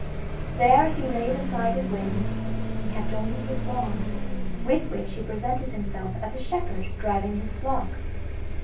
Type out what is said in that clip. There he laid aside his wings, and kept only his wand, with which he presented himself as a shepherd driving his flock.